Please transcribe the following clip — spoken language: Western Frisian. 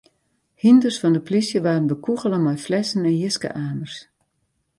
Hynders fan de polysje waarden bekûgele mei flessen en jiske-amers.